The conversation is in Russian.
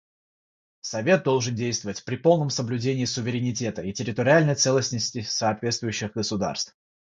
Совет должен действовать при полном соблюдении суверенитета и территориальной целостности соответствующих государств.